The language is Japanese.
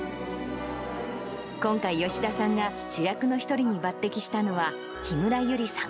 今回、吉田さんが主役の一人に抜てきしたのは、木村優里さん